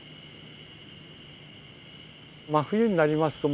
真冬になりますと